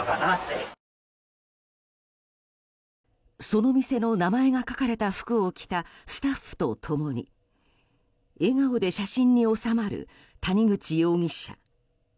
その店の名前が書かれた服を着たスタッフと共に笑顔で写真に納まる谷口容疑者。